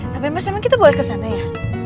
tapi mas emang kita boleh kesana ya